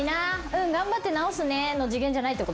「うん頑張って直すね」の次元じゃないってこと？